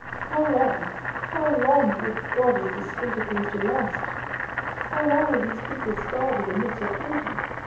How long; how long, good God! is this state of things to last? How long will these people starve in the midst of plenty?